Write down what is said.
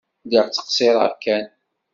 Lliɣ ttqeṣṣireɣ kan.